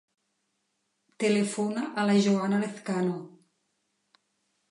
Telefona a la Joana Lezcano.